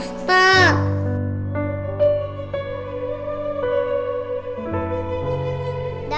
bukan begitu ya